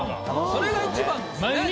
それが一番ですね。